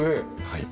はい。